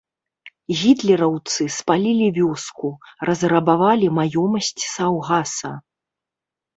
Гітлераўцы спалілі вёску, разрабавалі маёмасць саўгаса.